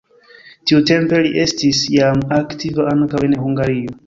Tiutempe li estis jam aktiva ankaŭ en Hungario.